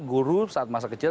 guru saat masa kecil